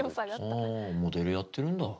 ああモデルやってるんだ。